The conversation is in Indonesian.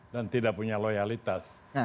dan tidak punya loyalitas